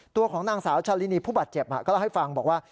ตัวของนางสาวชาลินีผู้บาดเจ็บก็เล่าให้ฟังบอกว่า